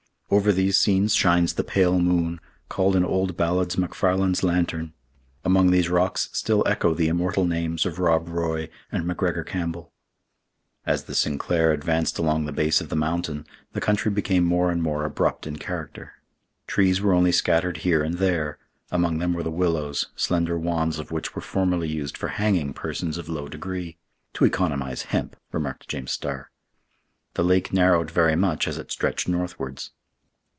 Over these scenes shines the pale moon, called in old ballads 'Macfarlane's lantern.' Among these rocks still echo the immortal names of Rob Roy and McGregor Campbell." As the Sinclair advanced along the base of the mountain, the country became more and more abrupt in character. Trees were only scattered here and there; among them were the willows, slender wands of which were formerly used for hanging persons of low degree. "To economize hemp," remarked James Starr. The lake narrowed very much as it stretched northwards.